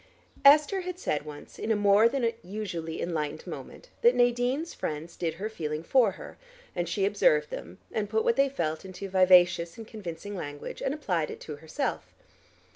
Esther had said once in a more than usually enlightened moment, that Nadine's friends did her feeling for her, and she observed them, and put what they felt into vivacious and convincing language and applied it to herself.